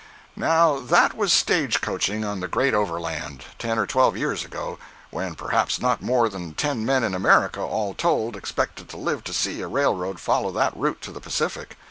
Now that was stage coaching on the great overland, ten or twelve years ago, when perhaps not more than ten men in America, all told, expected to live to see a railroad follow that route to the Pacific.